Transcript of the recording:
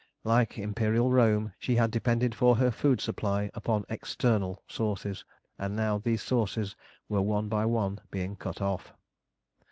Like Imperial Rome, she had depended for her food supply upon external sources, and now these sources were one by one being cut off.